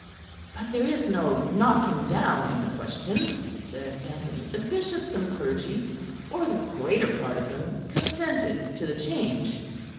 "But there is no knocking down in the question," said Anthony. "The bishops and clergy, or the greater part of them, consented to the change."